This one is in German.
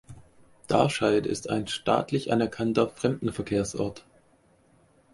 Darscheid ist ein staatlich anerkannter Fremdenverkehrsort.